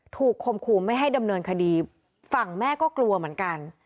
คมขู่ไม่ให้ดำเนินคดีฝั่งแม่ก็กลัวเหมือนกัน